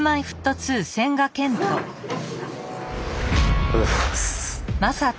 おはようございます。